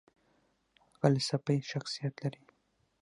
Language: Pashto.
غلسفي شخصیت لري .